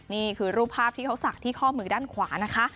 นี่คือรูปภาพที่เขาศักดิ์ที่ข้อมือด้านขวานะคะ